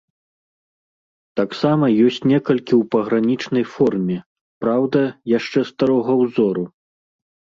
Таксама ёсць некалькі ў пагранічнай форме, праўда, яшчэ старога ўзору.